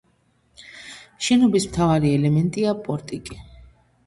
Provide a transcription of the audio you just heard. შენობის მთავარი ელემენტია პორტიკი.